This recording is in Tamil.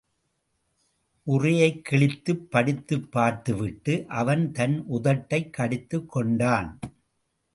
உறையைக் கிழித்துப் படித்துப் பார்த்து விட்டு, அவன் தன் உதட்டைக் கடித்துக் கொண்டான்.